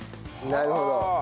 なるほど。